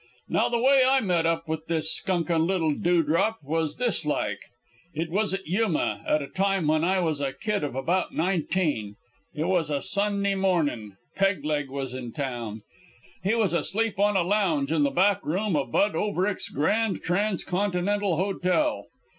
"Now, the way I met up with this skunkin' little dewdrop was this like It was at Yuma, at a time when I was a kid of about nineteen. It was a Sunday mornin'; Peg leg was in town. He was asleep on a lounge in the back room o' Bud Overick's Grand Transcontinental Hotel.